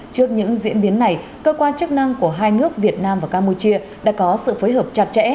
trước những diễn biến này cơ quan chức năng của hai nước việt nam và campuchia đã có sự phối hợp chặt chẽ